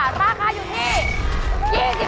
ราคาอยู่ที่